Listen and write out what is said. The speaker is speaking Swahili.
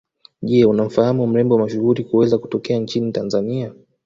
Je unamfahamu mrembo mashuhuri kuweza kutokea nchini Tanzania